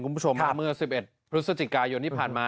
มาเมื่อ๑๑พศจิกายนที่ผ่านมา